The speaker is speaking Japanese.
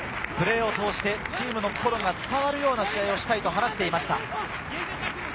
プレーを通してチームの心が伝わるような試合をしたいと話していました。